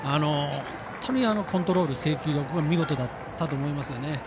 本当にコントロール、制球力見事だったと思います。